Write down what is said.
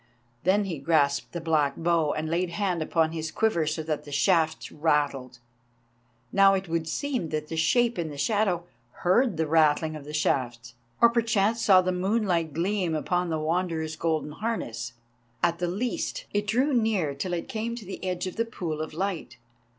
Then he grasped the black bow and laid hand upon his quiver so that the shafts rattled. Now it would seem that the shape in the shadow heard the rattling of the shafts, or perchance saw the moonlight gleam upon the Wanderer's golden harness—at the least, it drew near till it came to the edge of the pool of light.